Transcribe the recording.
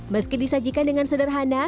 meski disajikan dengan sederhana